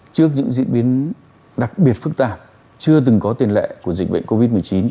trước những diễn biến đặc biệt phức tạp chưa từng có tiền lệ của dịch bệnh covid một mươi chín